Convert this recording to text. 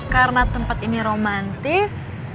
karena tempat ini romantis